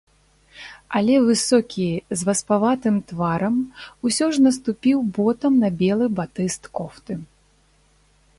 Але высокі, з васпаватым тварам, усё ж наступіў ботам на белы батыст кофты.